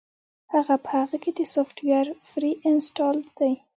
يعنې پۀ هغۀ کښې دا سافټوېر پري انسټالډ دے